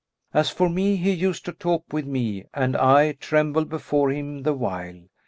As for me, he used to talk with me and I trembled before him the while.